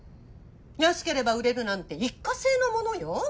安ければ売れるなんて一過性のものよ。